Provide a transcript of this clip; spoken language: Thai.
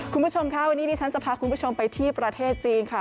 คุณผู้ชมค่ะวันนี้ดิฉันจะพาคุณผู้ชมไปที่ประเทศจีนค่ะ